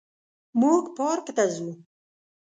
موږ پارک ته ځو